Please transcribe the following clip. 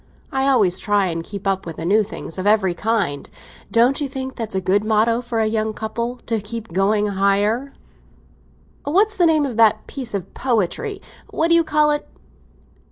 I always try and keep up with the new things of every kind. Don't you think that's a good motto for a young couple—to keep 'going higher'? That's the name of that piece of poetry—what do they call it?